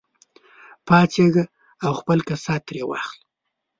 پاڅېږه او خپل کسات ترې واخله.